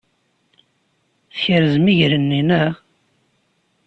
Tkerzem iger-nni, naɣ?